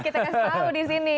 kita kasih tau disini